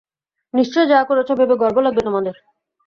নিশ্চয়ই যা করেছ ভেবে গর্ব লাগবে তোমাদের!